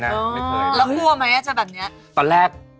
แล้วกลัวไหมอาจจะแบบนี้